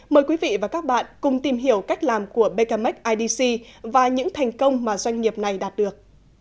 mời quý vị và các bạn cùng tìm hiểu cách làm của becamec idc và những thành công mà doanh nghiệp này đạt được